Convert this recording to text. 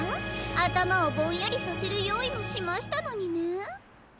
あたまをぼんやりさせるよういもしましたのにねえ。